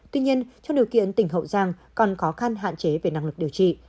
tuy nhiên trong điều kiện tỉnh hậu giang còn khó khăn hạn chế về năng lực điều trị